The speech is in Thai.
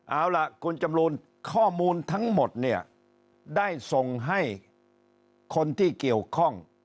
เอาล่ะคุณจำลูนข้อมูลทั้งหมดเนี่ยได้ส่งให้คนที่เกี่ยวข้อง